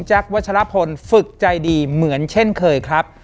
วัชลพลฝึกใจดีเหมือนเช่นเคยครับ